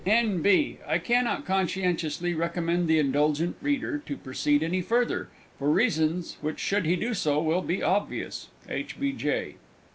_N.B. I cannot conscientiously recommend the Indulgent Reader to proceed any further for reasons which, should he do so, will be obvious. H. B. J.